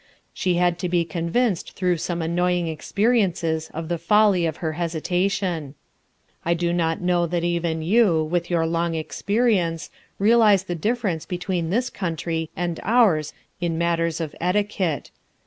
She had to be convinced through some annoying experi ences of the folly of her hesitation I do Lot know that even you, with your long experience, realize the difference between this country and ours in matters of etiquette.